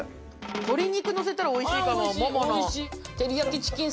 鶏肉のせたらおいしいかもモモの。